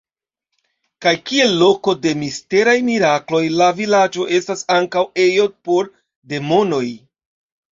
Kaj kiel loko de misteraj mirakloj la vilaĝo estas ankaŭ ejo por demonoj.